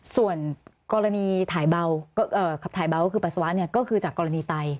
ส่วนกรณีถ่ายเบาขับถ่ายเบาก็คือปัสสาวะก็คือจากกรณีไต